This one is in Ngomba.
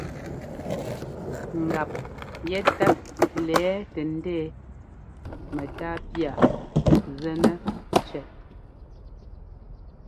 Ngap yɛtát lɛ̌ tɛ ndɛ̌ɛ mɛ́tá pía zɛnɛ cʉɛt.